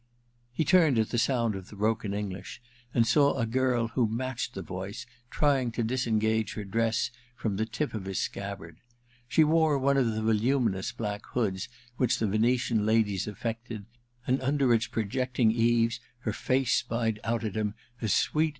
* He turned at sound of the broken English, and saw a girl who matched the voice trying to disengage her dress from the tip of his scabbard. She wore one of the voluminous black hoods which the Venetian ladies affected, and under its projecting eaves her face spied out at him as sweet